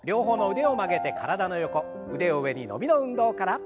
腕を上に伸びの運動から。